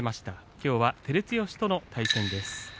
きょう照強との対戦です。